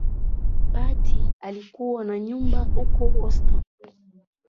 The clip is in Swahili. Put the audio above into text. Patty alikuwa na nyumba huko Houston